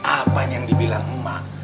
apa yang dibilang mbak